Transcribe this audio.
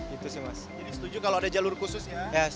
jadi setuju kalau ada jalur khusus ya